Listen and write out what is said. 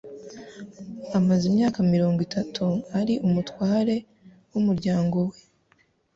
Amaze imyaka mirongo itatu ari umutware wumuryango we